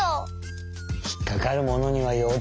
ひっかかるものにはよう